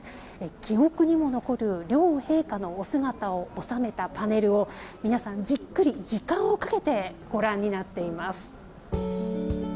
記憶にも残る両陛下のお姿を収めたパネルを皆さんじっくり、時間をかけてご覧になっています。